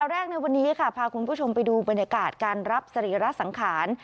แรกในวันนี้ค่ะพาคุณผู้ชมไปดูบรรยากาศการรับสรีระสังขาร